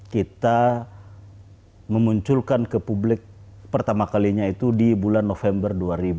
kita memunculkan ke publik pertama kalinya itu di bulan november dua ribu dua puluh